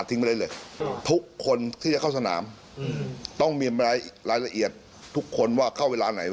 ได้เลยทุกคนที่จะเข้าสนามต้องมีรายละเอียดทุกคนว่าเข้าเวลาไหน